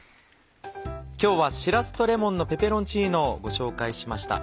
今日は「しらすとレモンのペペロンチーノ」をご紹介しました。